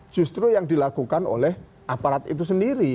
justru yang dilakukan oleh aparat itu sendiri